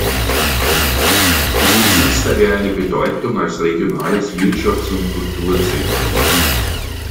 Es besitzt daher eine Bedeutung als regionales Wirtschafts- und Kulturzentrum.